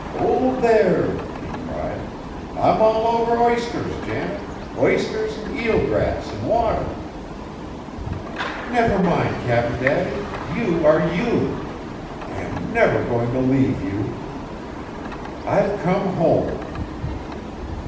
"Hold there!" he cried, "I'm all over isters, Janet; isters an' eelgrass an' water!" "Never mind, Cap'n Daddy, you are you! I am never going to leave you. I've come home!"